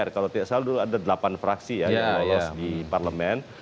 kalau tidak salah dulu ada delapan fraksi ya yang lolos di parlemen